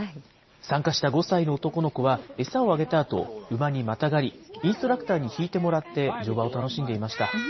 参加した５歳の男の子は、餌をあげたあと、馬にまたがり、インストラクターに引いてもらって、乗馬を楽しんでいました。